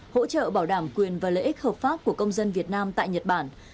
hỗ trợ bảo đảm quyền và lợi ích hợp pháp của công dân việt nam tại nhật bản